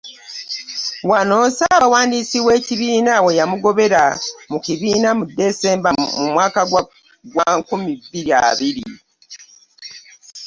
Wano Ssaabawandiisi w’ekibiina we yamugobera mu kibiina mu Desemba mu mwaka gwa nkumi bbiri abiri.